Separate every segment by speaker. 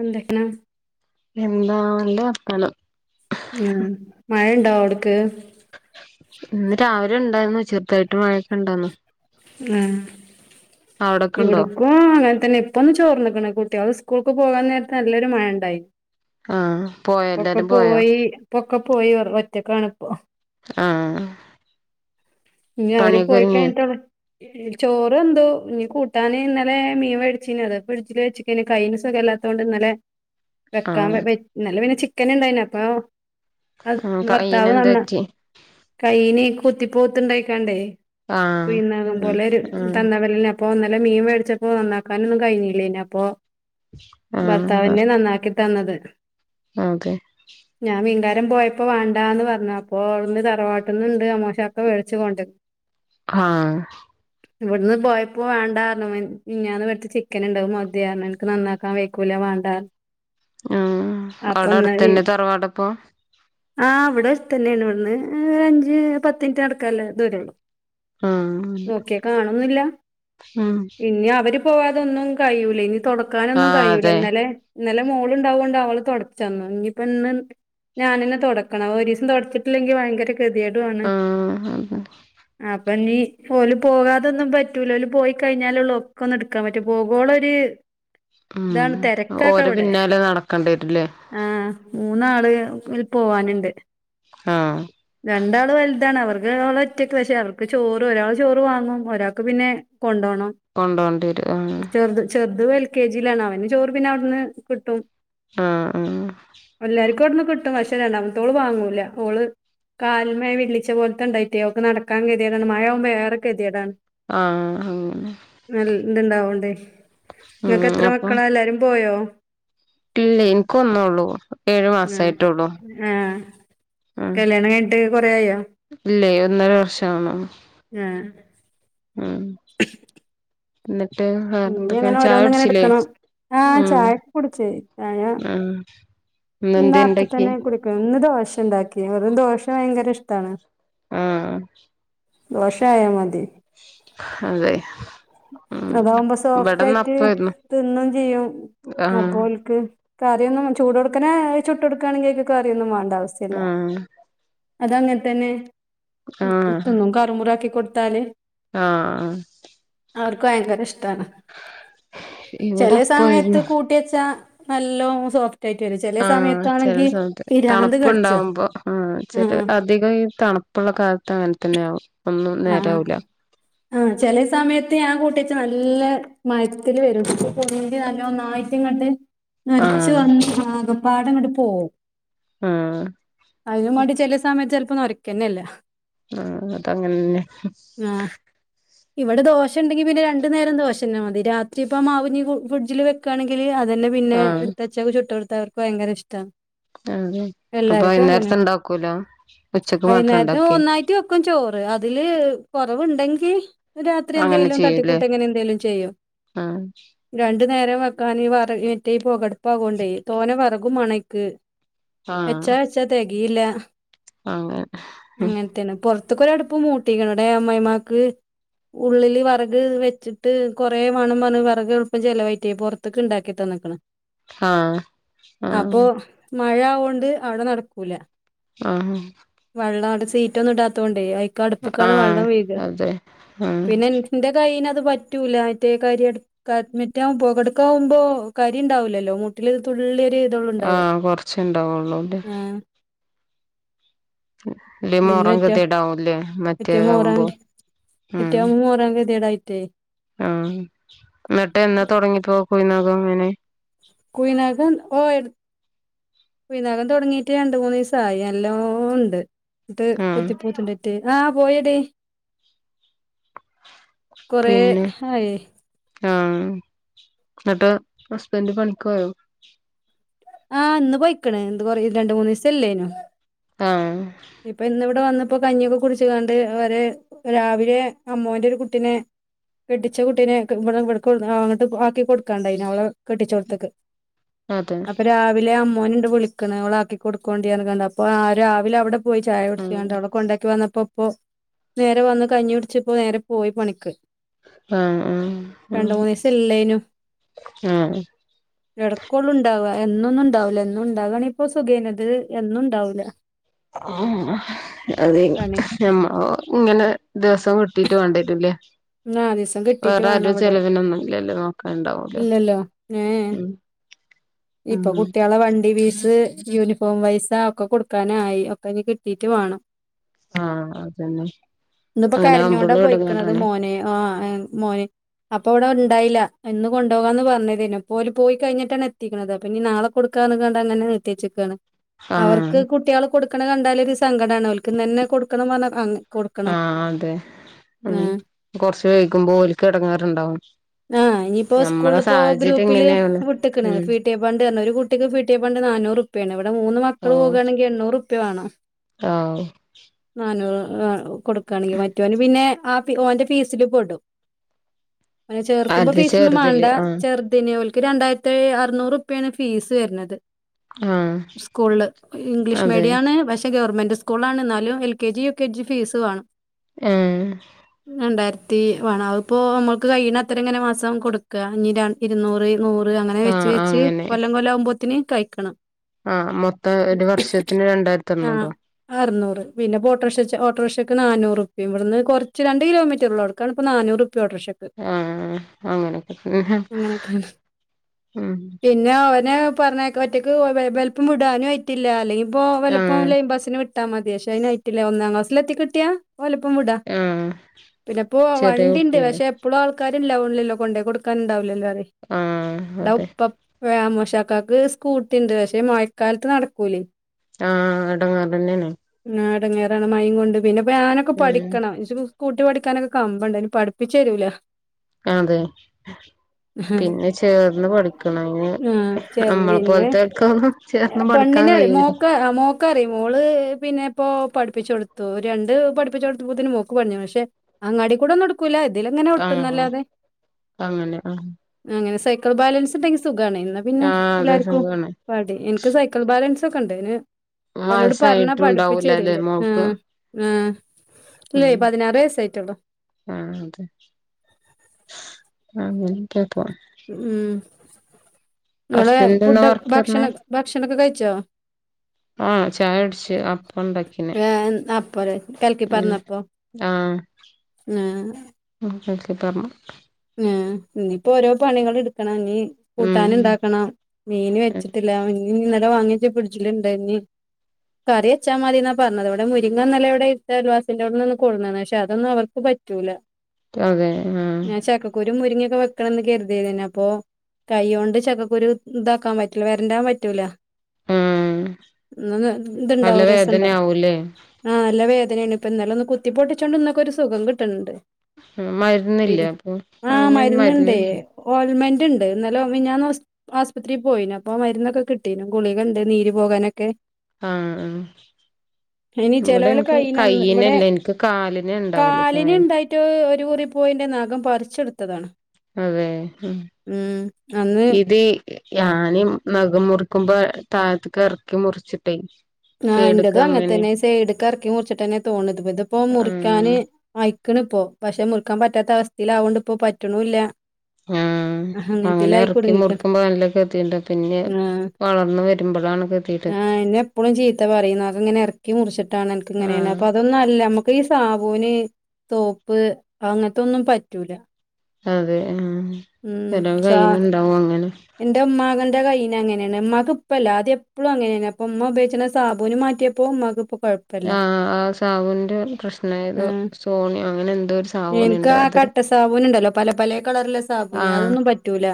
Speaker 1: എന്തെക്ക്ണ്
Speaker 2: ആഹ് നല്ല വർത്താനം
Speaker 1: ഉം മഴണ്ടാ അവിടക്ക്
Speaker 2: ഉം ഇന്ന് രാവിലെ ഉണ്ടായിരുന്നു ചെറുതായിട്ട് മഴയൊക്കെ ഉണ്ടായിരുന്നു
Speaker 1: ഉം
Speaker 2: അവിടൊക്കെ ഉണ്ടോ
Speaker 1: ഇവിടപ്പോ അങ്ങനെ തന്നെ ഇപ്പൊന്ന് ചോർന്നക്ക്ണ്. കുട്ട്യാള് സ് സ്കൂൾക്ക് പോകാൻ നേരത്ത് നല്ലൊരു മഴണ്ടായി
Speaker 2: ആഹ് പോയോ
Speaker 1: ഇപ്പൊക്കെ
Speaker 2: എല്ലാരും പോയോ
Speaker 1: പോയി ഇപ്പൊക്കെ പോയി ഒറ്റക്കാണ് ഇപ്പോ
Speaker 2: ആഹ്
Speaker 1: ഇഞ്ഞി അവര്
Speaker 2: പണിയൊക്കെ ഒരുങ്ങിയോ
Speaker 1: പോയികഴിഞ്ഞിട്ടൊള്ള് ചോറെന്തു ഇനി കൂട്ടാന് ഇന്നലെ മീൻവേടിച്ചീന് അത് ഫ്രിഡ്ജില് വെച്ച്ക്കേയ്ന് കയ്യിന് സുഖ ല്ലാത്തോണ്ട് ഇന്നലെ വെക്കാൻ
Speaker 2: ആഹ്
Speaker 1: വെ ഇന്നലെപിന്നെ ചിക്കന്ണ്ടായിന്ന് അപ്പോ അത്
Speaker 2: ആഹ്
Speaker 1: ഭർത്താവ്
Speaker 2: കയ്യിന് എന്ത്
Speaker 1: നന്ന
Speaker 2: പറ്റി
Speaker 1: കയ്യിന് കുത്തി പോവ്ത്ത്ണ്ടായിക്കാണ്ടേ
Speaker 2: ആഹ്
Speaker 1: കുഴിനഖം
Speaker 2: ആഹ്
Speaker 1: പോലൊരു തന്താ വെര്ലിന് അ അപ്പൊ ന്നലെമീൻ വേടിച്ചപ്പോ നന്നാക്കാനൊന്നും കഴിഞ്ഞിലേനി അപ്പൊ
Speaker 2: ആഹ്
Speaker 1: ഭർത്താവനെ നന്നാക്കി തന്നത്
Speaker 2: ആഹ് ആതെ
Speaker 1: രം പോയപ്പോ വാണ്ടാന്ന് പറഞ്ഞ് അപ്പോ അവ്ട്ന്ന് തറവാട്ട്ന്ന്ണ്ട് അമ്മോശാക്ക വേട്ച് കൊണ്ടെര്ന്ന്
Speaker 2: ആഹ്
Speaker 1: ഇവട്ന്ന് പോയപ്പോ വേണ്ടാർഞ്ഞ് മിൻ മിഞ്ഞാന്ന് വേട്ച്ച ചിക്കൻണ്ട് അത് മതി അർഞ്ഞ്ഇൻക്ക് നന്നാക്കാൻ വൈക്കൂലാ വണ്ടാർഞ്ഞ്
Speaker 2: അഹ് അവിടെ അടുത്തന്നെ തറവാട്പ്പോ
Speaker 1: ആഹ് വിടെ അട്ത്തന്നെയാണ് ഇവിട്ന്ന് രു അഞ്ച് പത്ത് ന് റ്റ് നടക്കല്ലേ ദൂരേള്ളു
Speaker 2: ആഹ്
Speaker 1: നോക്കിയ കാണുന്നില്ല
Speaker 2: ഉം
Speaker 1: ഇനിഅവര് പോവാതൊന്നും കയിയൂല ഇനി തുടക്കാനൊന്നും
Speaker 2: ആഹ്
Speaker 1: കയിയൂല
Speaker 2: അതെ
Speaker 1: ഇന്നലെ ഇന്നലെ മോളുണ്ടാവുണ്ട് അവള് തൊടച്ചന്ന് ഇനിപ്പ ഇന്ന് ഞാനന്നെ തൊടക്കണം ഒരീസം തൊടച്ചിട്ടില്ലെങ്കി ഭയങ്കര കെതിയേടുവാ ണ്
Speaker 2: ആഹ് ഹ് ഹ്
Speaker 1: അപ്പൊനീ ഓല് പോകാതൊന്നും പറ്റൂല ല് പോയി കഴിഞ്ഞാലൊള്ളൂ ക്കൊന്ന് എടുക്കാൻ പറ്റ പോകോളൊരു
Speaker 2: ഉം
Speaker 1: ഇതാണ്
Speaker 2: ഓരെ
Speaker 1: തെരക്കാക്കെവിടെ
Speaker 2: പിന്നാലെ നടക്കണ്ടി വരൂല്ലേ
Speaker 1: ആഹ് മൂന്നാള് പോവാന്ണ്ട്
Speaker 2: ആഹ്
Speaker 1: രണ്ടാള് വൽ അതാണ് അവർക്ക് ഒറ്റക്ക് പക്ഷേ അവർക്ക് ചോറ് ഒരാൾ ചോറ് വാങ്ങും ഒരാക്ക് പിന്നെ കൊണ്ടോ ണം
Speaker 2: കൊണ്ടോണ്ടി വരും ആഹ്
Speaker 1: ചെറു ചെറുത് എൽ കെ ജിലാണ് അവന് ചോറ് പിന്നെ അവിട്ന്ന് കിട്ടും
Speaker 2: ആഹ് ആഹ്
Speaker 1: എല്ലാർക്കും അവിടുന്ന് കിട്ടും പക്ഷേ രണ്ടാമത്തോള് വാങ്ങൂല ഓള് കാല്മ്മെ വിള്ളി ച്ച പോലത്തൊണ്ടായിട്ടെ ഓൾക്ക് നടക്കൻ ഗെതിയെടാണ് മയാമ്പോഏറെ കെത്യെടാണ്
Speaker 2: ആഹ് ആഹ് അങ്ങനെ
Speaker 1: നല്ല ഇതുണ്ടാവോണ്ടേ നിങ്ങക്ക്
Speaker 2: ഉം
Speaker 1: എത്ര
Speaker 2: അപ്പൊ
Speaker 1: മക്കള എല്ലാരും പോയോ
Speaker 2: ഇല്ല എൻക്കൊന്നേള്ളൂ ഏഴു
Speaker 1: ആഹ്
Speaker 2: മാസായിട്ടുള്ളു
Speaker 1: ആഹ് കല്യാണം കഴ്ണിട്ട് കൊറെ ആയോ
Speaker 2: ഇല്ലേ ഒന്നര വർഷാവ്ന്നൊ [unintelligible]
Speaker 1: ആഹ്
Speaker 2: ഉം എന്നിട്ട്
Speaker 1: ഇനി
Speaker 2: വറെന്തൊക്കെ
Speaker 1: അങ്ങനെ
Speaker 2: ചായ
Speaker 1: ഓരോന്ന് ഇങ്ങനെ
Speaker 2: കുടിച്ചില്ലേ
Speaker 1: എടുക്കണം ആഹ്
Speaker 2: ഉം
Speaker 1: ചായക്കെ
Speaker 2: ഉം ഇന്നെന്തേ ഇണ്ടാക്കി
Speaker 1: ന്നാപ്പതന്നെ കുടിക്കും ഇന്ന് ദോശ ഉണ്ടാക്കി വെറും ദോശ ഭയങ്കര ഇഷ്ടാണ്
Speaker 2: ആഹ്
Speaker 1: ദോഷായാ മതി
Speaker 2: അതെ ഉം
Speaker 1: അതാവുമ്പോ സോഫ്റ്റ്
Speaker 2: ഇവിടെന്ന്
Speaker 1: ആയിട്ട്
Speaker 2: അപ്പായിരുന്നു
Speaker 1: തിന്നും ചെയ്യും
Speaker 2: ആഹ്
Speaker 1: അപ്പോൽക്ക് കറിയൊന്നും ചൂട് കൊടുക്കനെ ചുട്ട് കൊടുക്കുകയാണെങ്കിൽ കയറിയൊന്നും വേണ്ട ആവശ്യല്ല
Speaker 2: ആഹ്
Speaker 1: അതങ്ങനെ തന്നെ
Speaker 2: ആഹ്
Speaker 1: തിന്നും കറുമുറാക്കി കൊടുത്താല്
Speaker 2: ആഹ്
Speaker 1: അവർക്ക് ഭയങ്കര ഇഷ്ടമാണ്
Speaker 2: ഇവിടെ
Speaker 1: ചെല സമയത്ത്
Speaker 2: അപ്പായിരുന്നു
Speaker 1: കൂട്ടി വച്ചാ നല്ലോം സോ
Speaker 2: ആഹ് ചെല സമയത്ത്
Speaker 1: പിരാന്ത് കടിച്ചും
Speaker 2: തണുപ്പുണ്ടാവുമ്പോ ഉം ചെല
Speaker 1: ആഹ്
Speaker 2: അധികം ഈ തണുപ്പുള്ള കാലത്ത് അങ്ങനെ തന്നെയും
Speaker 1: ആഹ് ആഹ് ചെല സമയത്ത് ഞാൻ കൂട്ടി നല്ല മരത്തില് വരും പിന്നെ പൊന്തി നല്ലന്നായിട്ടുംങ്ങട്ട് മരിച്ച്
Speaker 2: ആഹ്
Speaker 1: വന്ന് ആകപ്പാട ഇങ്ങോട്ട് പോകും
Speaker 2: ആഹ്
Speaker 1: അതിന് മാണ്ടി ചെല സമയത്ത് ചിലപ്പോ നൊറയ്ക്കന്നെല്ല
Speaker 2: ആ അതങ്ങനന്നെ
Speaker 1: ആഹ് ഇവിടെ ദോശ ഉണ്ടെങ്കി പിന്നെ രണ്ടു നേരം ദോശം തന്ന മതി രാത്രി ഇപ്പ മാവിഞ്ഞ് ഫ്രിഡ്ജില് വെക്കാണെങ്കില് അ തന്നെ പിന്നെ
Speaker 2: ആഹ്
Speaker 1: എടുത്തച്ചക്ക് ചുട്ടെടുത്തവർക്ക് ഭയങ്ക ഇഷ്ടമാണ്
Speaker 2: ആഹ് അപ്പൊ
Speaker 1: എല്ലാർക്കും അങ്ങനെ
Speaker 2: വൈന്നേരത്തെ ഇണ്ടാക്കൂല ഉച്ചക്ക് മാത്രം
Speaker 1: വൈകുന്നേരത്ത
Speaker 2: ഇണ്ടാക്കെ
Speaker 1: ഒന്നായിട്ട് വെക്കും ചോറ് അതില് കൊറവുണ്ടെങ്കി രാത്രി
Speaker 2: അങ്ങനെ
Speaker 1: എന്തെലും
Speaker 2: ചെയ്യൂല്ലേ
Speaker 1: തട്ടിക്കൂട്ട് എങ്ങനെ എന്തേലും ചെയ്യോ
Speaker 2: ആഹ്
Speaker 1: രണ്ട് രണ്ടു നേരം വെക്കാൻ ഈ മറ്റേ പൊകടുപ്പ് ആയോണ്ടേ തോനെ വെറകും മാണയ്ക്ക്
Speaker 2: ആഹ്
Speaker 1: വെച്ചാ വച്ച തേകീയില്ല
Speaker 2: അങ്ങനെ
Speaker 1: അങ്ങനത്തന്നെ പുൊറത്തേക്കൊര ടുപ്പ് മൂട്ടിക്കണ് ഇടെ അമ്മമാക്ക് ഉള്ളില് വിറക് വെച്ചിട്ട് കുറെേ വേണം പറഞ്ഞ് വെക് എളുപ്പം ചിലവായിറ്റ് പൊറത്തൊക്ക ഇണ്ടാക്കി തന്നക്കണം
Speaker 2: ആഹ് ആഹ്
Speaker 1: മഴ ആയോണ്ട് അവിടെ നടക്കൂല
Speaker 2: ആഹ്
Speaker 1: വെള്ളാണ് സീറ്റൊന്നും ഇടാത്തൊണ്ടേയ് ക്ക്‌ അടുപ്പിക്കാണ്
Speaker 2: ആഹ്
Speaker 1: വെള്ളം വീഴാ
Speaker 2: അതെ ആഹ്
Speaker 1: പിന്നെ ന്റെ കയ്യി അ പറ്റൂല മറ്റേ കരി മറ്റ പുകെടുക്കാവുമ്പോ കരി ഉണ്ടാവില്ലല്ലോ മുട്ടിലൊരു തു ള്ളേരു
Speaker 2: ആ കൊറച്ച ഇണ്ടാവള്ളൂല്ലേ
Speaker 1: ആഹ്
Speaker 2: ഇല്ല മുറ
Speaker 1: പിന്നെ മറ്റേ
Speaker 2: കതടാവുംല്ലേ മറ്റേവുമ്പോ
Speaker 1: മറ്റേ മോർ കതിയെടായട്ടെ
Speaker 2: ആഹ എന്നിട്ട് എന്ന തുടങ്ങിപ്പോ കുയി നഖം അങ്ങനെ
Speaker 1: കുയിനകം കുയിനകം തുടങ്ങിട്ട് രണ്ട മൂന്ന്ു ദിവസയി ന ല്ലോ ഉണ്ട് എന്നട്ട്
Speaker 2: ആഹ്
Speaker 1: കുത്തിപപ്പോത്തിട്ട് ആ് പോയടേ കൊറെ ആയി
Speaker 2: ആഹ എന്നിട്ട് ഹസ്ബൻഡ് പണിക്ക് പോയോ
Speaker 1: ആഹ് ഇന്ന് പൊ യിക്കണ എന്ത് കൊറ രണ്ട മൂന്ന്ു ദിവസം ഇല്ലേനു
Speaker 2: ആ
Speaker 1: ഇപ്പൊ ഇന്നിവിടെ വന്നിപ്പോ കഞ്ഞിയൊക്കെ കുടിച്ചു കണ്ട് അവരെ രാവിലെ അമ്മോവൻറെ ഒരു കുട്ടിനെ കെട്ടിച്ച കുട്ടീനെ ഇ ഇവിടെ അങ്ങോട്ട് ആക്കി കൊടുക്കാണ്ടായി അവളെ കെട്ടിച്ചോടത്തേക്ക്
Speaker 2: അതെ
Speaker 1: അപ്പൊ രാവിലെ അമ്മോന ഇണ്ട് വിളിക്കണാക്കി കൊടുക്കൊണ്ടി കണ്ട അപ്പൊ രാവിലെ അവിടെ പോയി ചായ
Speaker 2: ആഹ്
Speaker 1: കുടിചുഗാണ്ടി അവിടെ കൊണ്ടാക്കി വന്നപ്പോ ഇപ്പൊ നേരെ വന്ന് കഴഞ്ഞി പിടിച്ചപ്പോ നേരെ പോയി പണിക്ക്
Speaker 2: ആഹ് ആഹ്
Speaker 1: രണ്ട
Speaker 2: ആഹ്
Speaker 1: മൂനീസം ഇല്ലേനു ഇടക്കോള്ളു ഉണ്ടാവാ എന്നൊന്നും ഇണ്ടാവില്ല എന്നും ഇണ്ടാകണ ഇപ്പൊ സുഖേന് എന്നും ഇണ്ടാവൂില്ല
Speaker 2: ആ അതെ
Speaker 1: പണി
Speaker 2: മ്മ ഇങ്ങനെ ദിവസം കിട്ടി കണ്ടട്ടല്ലേ
Speaker 1: നാലീസം കെട്ടീട്ട്
Speaker 2: വേറെ
Speaker 1: വേണം
Speaker 2: ആരും
Speaker 1: അവിടെ
Speaker 2: ചെിലവിനൊന്നുംില്ലല്ലോ നോക്കാുണ്ടാവൂലോ
Speaker 1: ഇല്ലല്ലോ ഏ
Speaker 2: ഉ
Speaker 1: ഇപ്പൊ കുട്ട്യേളെ വണ്ടി വീസ് യൂണിഫോം പൈസ ഒക്കെ കൊടുക്കാനായി ഒക്കെ ഇഞ്ഞി കിട്ടീട്ട് വേണം
Speaker 2: ആഹ അതന്നെ
Speaker 1: ഇന്നിപ്പോ
Speaker 2: അങ്ങനെ
Speaker 1: കരഞ്ഞോണ്ടാ
Speaker 2: ആവുമ്പോളും
Speaker 1: പോയിക്കണത്
Speaker 2: എടങ്ങേറാണ്
Speaker 1: മോന് ആ മോന് അപ്പൊ ഇവിടെ ഉണ്ടായില്ല എന്ന് കൊണ്ടുപോകാ എന്ന് പറഞ്ഞത്ന്നെ ഇപ്പോര് പോയി കഴിഞ്ഞിട്ടാണ് എത്തിണുന്നത് അപ്പൊ ഞ്ഞി നാളെ കൊടുക്ക അങ്ങന നി അവർക്ക്
Speaker 2: ആഹ്
Speaker 1: കുട്ടികൾ കൊടുക്ക കണ്ടാല് സങ്കടാണ് ഓലക്ക് ഇന്നന്നെ കൊടുക്കണം പറ കൊടുക്കണം ആ
Speaker 2: കൊറച് വൈകുമ്പോ ഓലക്ക് ഇടങ്ങേരുണ്ടാവും
Speaker 1: ആഹ് ഇനിയിപ്പോ സ്കൂളിപ്പോ ഗ്രൂപ്പില്
Speaker 2: ഇങ്ങനെയാണ്
Speaker 1: വിട്ടക്കണ
Speaker 2: ഉം
Speaker 1: ഫീട്ടിയ ഫണ്ട് ഒരു കുട്ടിക്ക് ഫീട്ടിയ ഫണ്ട് നാനൂറ്ുപ്പ്യാണ് ഇവിടെൂന്ന് മക്കൾ പോവവാണെങ്കിൽണ്ണൂറ്ുപ്യ വേണം
Speaker 2: ആഹ
Speaker 1: ാനൂ കൊടുക്കവാണെങ്കിൽറ മറ്റോൻ പിന്നെ ആ ഓന്റെ ഫീസിില് പെടും അങ്ങെ ചേർക്കുമ്പോ
Speaker 2: അത്
Speaker 1: പീസ ഒന്നും മാണ്ട
Speaker 2: ചെറുതില് ആഹ്
Speaker 1: ചെറുതെ ക്ക് രണ്ടായിരത്തി അറുന്നൂറുപ്യ ഫീസ് വരുന്നത്
Speaker 2: ആഹ്
Speaker 1: സ്കൂൾൽ ഇംഗ്ലീഷ്
Speaker 2: അതെ
Speaker 1: മീഡിയണ് പക്ഷെ ഗ ഗവൺമെന്റ് സ്കൂളാണെ ന്നാലും LKG U K G fees വേണം
Speaker 2: ഏ
Speaker 1: രണ്ടായിരത്തി വാണം അതിപ്പോ നമ്മൾക്ക് കയ്യിന്നത്ര ങ്ങനെ മാസം കൊടുക്ക ഇരുന്നൂറ് നൂറ് അങ്ങനെ വെച്ച്
Speaker 2: ആഹ്
Speaker 1: വെച്ച് കൊല്ലം കൊല്ലം ആകുമ്പോത്തന് കഴിക്കണം
Speaker 2: ആ മൊത്തം ഒരു വർഷത്തിന് രണ്ടായിരത്തി
Speaker 1: ആ
Speaker 2: അരുന്നൂറോ
Speaker 1: അറുന്നൂറ് പിന്നെപ്പോ ഓട്ടോക്ഷ ഓട്ടോറിക്ഷയ്ക്ക് നാനൂറ് പ്പ ഇവിടുന്ന്റ രണ്ട് കിലോമീറ്റർ ഉള്ള അവിടുക്കാണ് ഇപ്പോ നാനൂറ് ഓട്ടർശക്ക്
Speaker 2: ആഹ് അങ്ങനൊക്കെ തന്നെ.
Speaker 1: അങ്ങനെയൊക്കെയ
Speaker 2: ഉം
Speaker 1: പിന്നെ ഓന് പറഞ്ഞയ്ക്ക ഒറ്റയ്ക്ക് വലുപ്പം വിടാനും ആയിറ്റില്ല. അല്ലെങ്കിഇപ്പോ വലപ്പം
Speaker 2: ആഹ്
Speaker 1: ലെയ്ൻബസ്സിന്‌ വിട്ട് കിട്ടാ മതിയാക്ഷേ അതിനയിട്ടില്ലേ ഒന്നാം ക്ലാസൽ എത്തികിട്ടിയാ ഓലപ്പം വിടാ.
Speaker 2: ആഹ്
Speaker 1: പിന്നെപ്പോ
Speaker 2: ചെറിയ
Speaker 1: വണ്ടിണ്ട്
Speaker 2: കുട്ടിയല്ലേ
Speaker 1: പക്ഷെ എപ്പോഴും ആൾക്കാർ, ണ് ലവല്ലോ കൊണ്ടയ് കൊടുക്കാൻണ്ടാവല്ലോ പറയ്
Speaker 2: ആഹ്
Speaker 1: ദാ
Speaker 2: അതെ
Speaker 1: ഉപ്പ അമ്മോ ഇവിടെ ഉപ്പ വ മോശ ചക ക്ക് സ്കൂട്ടിണ്ട് പക്ഷെ മഴക്കാലത്ത് നടക്കൂലേ,
Speaker 2: ആ അടങ്ങറെന്നെണ്.
Speaker 1: എടങ്ങറാണ് മയ ഉംകൊണ്ട് പിന്നെ ഞാനൊക്കെ
Speaker 2: ഉം
Speaker 1: പഠിക്കണം. കൂട്ടി പഠിക്കാനൊക്കെ കമ്പണ്ട് അയ്ന് പഠിപ്പിച് തരൂല.
Speaker 2: അതെ പിന്നെ ചേർന്ന് പഠിക്കണം അയ്ന്
Speaker 1: ആഹ് ചേർന്ന്
Speaker 2: അമ്മളെ പോലത്തോക്ക് ചേർന്ന് പഠിക്കാൻ
Speaker 1: ഹേയ്
Speaker 2: കഴിയൂല
Speaker 1: മോക്ക മോ മോള്ക്കറിയും മോള് പിന്നെ ഇപ്പോ പഠപ്പിച്കൊടുത്തു. ഒരു രണ്ട് പഠിപ്പിച്ചോടുത്തപ്പത്തിന് മോക്ക് പഠിഞ്ഞു. അങ്ങാടി കൂടെന്നുംടുക്കൂല്ല. ഇതിലങ്ങനെ
Speaker 2: ആഹ്
Speaker 1: ഒട്ടുംന്നല്ലാതെ
Speaker 2: അങ്ങനെ ആഹ്
Speaker 1: അങ്ങനെ സൈ സൈക്ക്‌ൾ ബാലൻസ്ണ്ടെങ്കിൽ സുഖാണ് ന്നാ പിന്നെ
Speaker 2: ആഹ് അതെ
Speaker 1: എല്ലാർക്കും
Speaker 2: സുഖാണ്
Speaker 1: പടീം. എനിക്ക് സൈക്കിൾ ബാലൻസ് ഒക്കെ ഉണ്ട്. അയ്ന് ഓലോട് പറഞ്ഞ പഠിപ്പിച്ചു
Speaker 2: വയസ്സായിട്ടുണ്ടാവൂലല്ലേ
Speaker 1: തരല്ലേ ആ
Speaker 2: മോൾക്ക്
Speaker 1: ആ ഇല്ലേ പതിനാറ് വയ
Speaker 2: ആഹ അതെ അ എനിക്ക പോ
Speaker 1: ഉം ഉം നിങ്ങള്
Speaker 2: ഹസ്ബൻഡ് എന്താ വർക്ക്
Speaker 1: ഫുഡ്ഭക്ഷണ ഭക്ഷണൊക്കെ കഴിച്ചോ?
Speaker 2: ആ ചായടുച്ചു അപ്പം ഉണ്ടാക്കിനെ
Speaker 1: ഏ അപ്പൊ
Speaker 2: ഉം ആ
Speaker 1: ആ
Speaker 2: [inaudible]
Speaker 1: ങേഇനിയിപ്പോ ഓരോ പണികൾ എടുക്കണം. ഇനി കൂട്ടാൻ
Speaker 2: ഉം
Speaker 1: ഉണ്ടാക്കണം, മീന് വെച്ചിട്ടില്ല. ഇൻ ഇന്നലെ വാങ്ങിയച്ച് ഫിട്ജ്ൽ ഇണ്ട്. കറിയച്ചാ മതീന്ന പറഞ്ഞത് ഇവിടെ മുരിങ്ങന്നലെ ഇട്‌ത്ത അയൽവാസിന്റെ ടൊന്ന് നിന്ന് കൊട്ന്ന്ക്ക്ണ് പക്ഷെ അതൊന്നും അവർ പറ്റൂല.
Speaker 2: ആതെ
Speaker 1: ഞാൻ ചക്കക്കുരും മുരിങ്ങിയൊക്കെ വെക്കണം ന്നാകരുതിയന്നെ അപ്പൊ കൈയോണ്ട്ചക്കക്കുരു ഇതാക്കാൻ പറ്റൂല്ല. വരണ്ടാൻ പറ്റൂല.
Speaker 2: ആഹ് നല്ല
Speaker 1: ങേഇതുണ്ടാവും രസംണ്ടാവും
Speaker 2: വേദനയാവൂലേ
Speaker 1: ആ നല്ല വേര് എയ്നു ഇപ്പന്നലെ ഒന്ന് കുത്തി പൊട്ടിച്ചൊണ്ട് ഇന്നെക്കൊരു ഒരു സുഖം കിട്ടുന്നുണ്ട്.
Speaker 2: ഉം മ
Speaker 1: ആ മരുന്നുണ്ടേ ഓൽമന്റ് ണ്ട് ഇന്നലെ മിഞ്ഞാ ആസ്പത്രിൽ പോയിന് അപ്പൊ മരുന്നൊക്കെ കിട്ടീനു ഗുളികണ്ട് നീര് പോകാനൊക്കെ,
Speaker 2: ആ ഉം
Speaker 1: ഇനി ചിലവെല കൈണ ഒന്ന് ഇവിടെ
Speaker 2: എനിക്ക് കാലിന് ഉണ്ടാവല്
Speaker 1: കാലിന്
Speaker 2: കാല്
Speaker 1: ഉണ്ടായിട്ട് കീറി പോയിന്റെ നകം പറിച്ചെട്
Speaker 2: അതെ ഉം
Speaker 1: ഉം അന്ന്
Speaker 2: ഇത് ഞാനും നഖം മുറിക്കുമ്പോ താഴ്ത്തക്ക് ഇറക്കി മുറിച്ചിട്ടേയ്
Speaker 1: ആ ഇന്റെതും അങ്ങനെ തന്നെ സൈട്ക്ക അറക്കി മുറിച്ചിട്ട്ന്നെ തോന്നണ്ഇതിപ്പോ
Speaker 2: ആഹ്
Speaker 1: മുറിക്കാന് അയി അയിക്കണ്പ്പോ പക്ഷെ മുറുക്കാൻ പറ്റാത്ത അവസ്ഥയിൽ ആവോണ്ട് പ്പോ പറ്റ്ണുല്ല.
Speaker 2: ആഹ് അങ്ങനെ ഇറക്കി മുടിക്കുമ്പോ നല്ല കതിയട്ണ്ട് പിന്നെ
Speaker 1: ആ
Speaker 2: വളർന്ന് വരുമ്പോഴാണ് കതിയട്.
Speaker 1: ആഹ് എന്നെ എപ്പളും ചീത്ത പറയും നഖങ്ങനെ ഇറക്കി മുറിച്ചട്ടാണ് അനക്കങ്ങനെ
Speaker 2: ആഹ്
Speaker 1: അപ്പൊ അതൊന്നല്ല. നമുക്ക് ഈ സാബൂന് തോപ്പ് അങ്ങനത്തൊന്നും പറ്റൂല.
Speaker 2: അതെ ആ
Speaker 1: ഉം
Speaker 2: ചില
Speaker 1: സാ
Speaker 2: കൈനുണ്ടാവും അങ്ങനെ,
Speaker 1: എന്റെ ഉമ്മാകന്റെ കയ്യിനെ അങ്ങനെയാണ്. ഉമ്മാക്ക് ഇപ്പല്ല അത് എപ്പോളും അങ്ങനെയാണ് അപ്പൊ ഉമ്മ ഉയോഗിച്ച സാബൂന് മാറ്റിയ പോമ്മക്ക് പ്പോ
Speaker 2: ആ ആ സാബുന്റെ പ്രശ്ണെരുന്നു
Speaker 1: ആഹ്
Speaker 2: സോണിയോ അങ്ങനെ എന്തോ ഒരു സാബൂനുണ്ട് അത്
Speaker 1: പട്ട സാബുൻ ഉണ്ടല്ലോ പല പല കളറിലെ
Speaker 2: ആ
Speaker 1: സാബുന് അതൊന്നും പറ്റൂല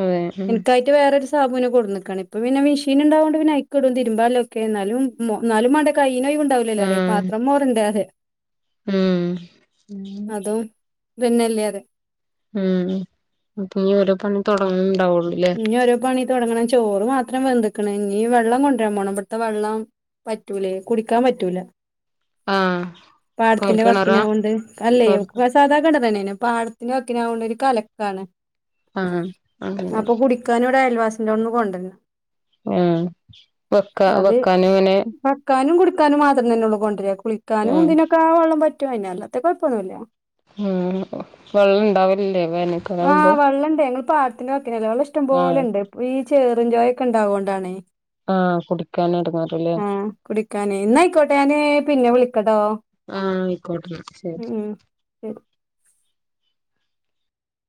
Speaker 2: അതെ ഉം
Speaker 1: എനക്കായിട്ട് വേറെ സാബൂ കൊടുക്കാണ് ഇപ്പ പിന്നെ മെഷീൻ ഉണ്ടാവോണ്ട് പിന്നെ അക്ക ഇടുംതിരുമ്പാലുംൊക്കെ എന്നാലുംാലും മട
Speaker 2: ആ
Speaker 1: പിവണ്ടാവലല്ല അിയ പാത്രം ഒരുണ്ട് അതെ
Speaker 2: ഉം
Speaker 1: പിന്നല്ലേ അത
Speaker 2: ഉം പിനി ഓരോ പണി തുടങ്ങുന്നുണ്ടാവുള്ളൂ
Speaker 1: ഇനിഓരോ പണി തുടങ്ങണം ചോറ് മാത്രം വെന്തുക്കണ ഇനി വെള്ളം കൊണ്ടുവരാൻ പോകണം ഇവിടത്തെ വെള്ളം പറ്റൂലേ കുടിക്കാൻ പറ്റൂല
Speaker 2: ആ
Speaker 1: പാടത്തിന്റെ
Speaker 2: കോഴൽക്കിണറാ
Speaker 1: വക്കിനക കൊണ്ട് അല്ലേോ
Speaker 2: കോഴൽക്കി
Speaker 1: സാധാ കണ തന്നെ പാടത്തിന് വെക്കിനാവുന്ന ഒരു കലക്കാണ്
Speaker 2: ആ അങ്ങനെ
Speaker 1: അപ്പൊ കുടിക്കാന ഇവിടെ അയൽവാസിന്റെ ഒും കൊണ്ടുവന്നോ
Speaker 2: ഉ വെക്കാ വെക്കാന ഇങ്ങനെ
Speaker 1: കുളിക്കാനും മാത്രം തന്നെള്ള കൊണ്ടരിക്ക
Speaker 2: ആ
Speaker 1: കുളിക്കാനുംന്തിനൊക്കെ ആ വെള്ള പറ്റോ അതിനെല്ലാത്ത കുഴപ്പൊന്നുമല്ല
Speaker 2: ഉ വെള്ളം ഇണ്ടാവില്ലേ വേനക്കറവുമ്പോ
Speaker 1: പാടത്തിനൊക്കെ നിലവള ഇഷ്ടം പോലുണ്ട് ഇപ്പൊ ഈ ചെറും ജോയൊക്കെ ഉണ്ടാവകുകൊണ്ടാണ്
Speaker 2: ആ കുടിക്കാൻ എടങ്ങേറല്ലേ
Speaker 1: ആ കുടിക്കാനേ ഇന്നയിക്കോട്ടെ ഞാന് പിന്നെ വിളിക്കട്ടോ
Speaker 2: ആഹ് ആയിക്കോട്ടന്നാ ശ
Speaker 1: ഉം [unintelligible]